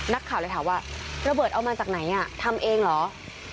นักข่าวเลยถามว่าระเบิดเอามาจากไหนทำเองเหรอ